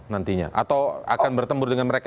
nantinya atau akan bertempur dengan mereka